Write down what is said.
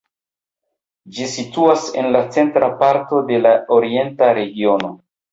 Ĝi situas en la centra parto de la Orienta Regiono.